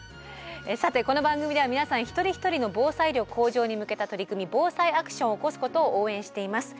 さてこの番組では皆さん一人一人の防災力向上に向けた取り組み防災アクションを起こすことを応援しています。